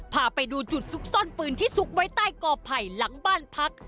พาไปดูจุดซุกซ่อนปืนที่ซุกไว้ใต้กอไผ่หลังบ้านพัก